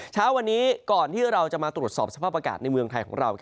เช้าวันนี้ก่อนที่เราจะมาตรวจสอบสภาพอากาศในเมืองไทยของเรา